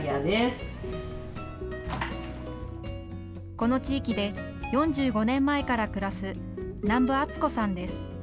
この地域で４５年前から暮らす南部篤子さんです。